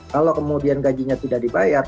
kalau kemudian gajinya tidak dibayar